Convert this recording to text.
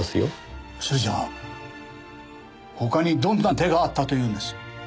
それじゃあ他にどんな手があったと言うんです？